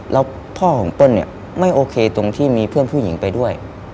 แล้วพ่อของเปิ้ลเนี่ยไม่โอเคตรงที่มีเพื่อนผู้หญิงไปด้วย